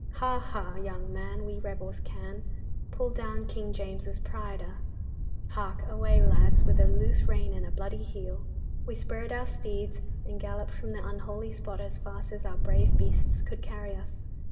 Ha, ha, young man, we rebels can Pull down King James's pride a!" Hark away, lads, with a loose rein and a bloody heel!' We spurred our steeds and galloped from the unholy spot as fast as our brave beasts could carry us.